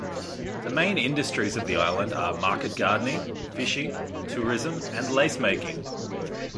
The main industries of the island are market gardening, fishing, tourism and lace making.